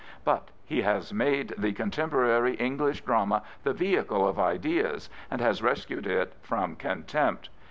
But he has made the contemporary English drama the vehicle of ideas and has rescued it from contempt.